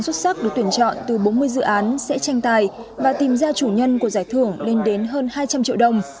xuất sắc được tuyển chọn từ bốn mươi dự án sẽ tranh tài và tìm ra chủ nhân của giải thưởng lên đến hơn hai trăm linh triệu đồng